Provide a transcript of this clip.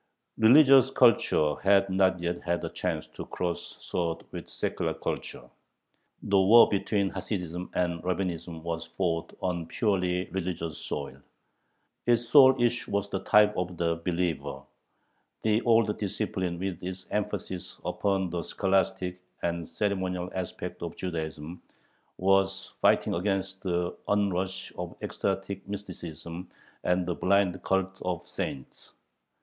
Religious culture had not yet had a chance to cross swords with secular culture. The war between Hasidism and Rabbinism was fought on purely religious soil. Its sole issue was the type of the believer: the old discipline with its emphasis upon the scholastic and ceremonial aspect of Judaism was fighting against the onrush of ecstatic mysticism and the blind "cult of saints."